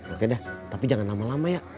oke deh tapi jangan lama lama ya